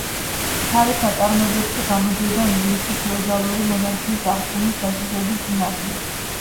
თავის ნაწარმოებებში გამოდიოდა ინგლისში ფეოდალური მონარქიის აღდგენის საშიშროების წინააღმდეგ.